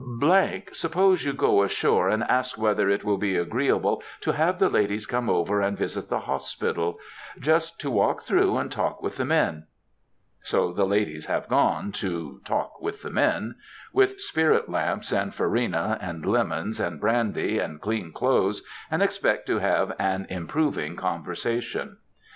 "——, suppose you go ashore and ask whether it will be agreeable to have the ladies come over and visit the hospital,—just to walk through and talk with the men." So the ladies have gone "to talk with the men," with spirit lamps, and farina, and lemons, and brandy, and clean clothes, and expect to have an improving conversation.